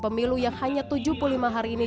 pemilu yang hanya tujuh puluh lima hari ini